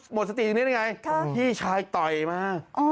หมดสติจริงนี่ไงพี่ชายต่อยมา